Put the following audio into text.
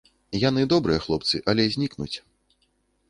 Яны добрыя хлопцы, але знікнуць.